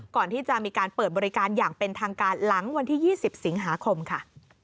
ก่อนที่จะมีการเปิดบริการอย่างเป็นทางการหลังวันที่๒๐สิงหาคมค่ะ